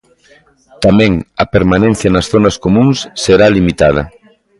Tamén a permanencia nas zonas comúns será limitada.